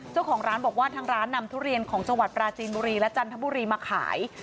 เจ้าของร้านบอกว่าทางร้านนำทุเรียนของจังหวัดปราจีนบุรีและจันทบุรีมาขาย